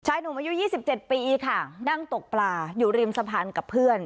หนุ่มอายุ๒๗ปีค่ะนั่งตกปลาอยู่ริมสะพานกับเพื่อน